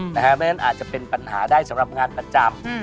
เพราะฉะนั้นอาจจะเป็นปัญหาได้สำหรับงานประจำ